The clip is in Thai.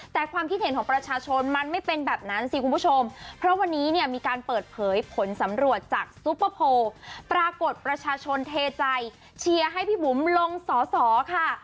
แต่ความคิดเห็นของประชาชนมันไม่เป็นแบบนั้นสิคุณผู้ชมเพราะวันนี้เนี่ยมีการเปิดเผยผลสำรวจจากซุปเปอร์โพลปรากฏประชาชนเทใจเชียร์ให้พี่บุ๋มลงสอสอค่ะ